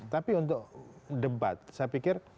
tapi untuk debat saya pikir